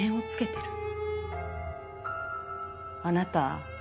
あなた